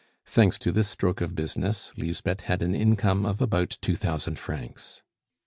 Thanks to this stroke of business, Lisbeth had an income of about two thousand francs.